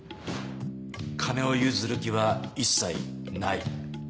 「金を譲る気は一切ない」。